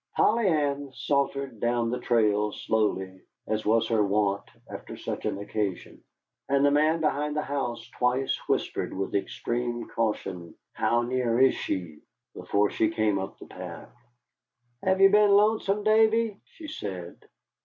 Polly Ann sauntered down the trail slowly, as was her wont after such an occasion. And the man behind the house twice whispered with extreme caution, "How near is she?" before she came up the path. "Have you been lonesome, Davy?" she said.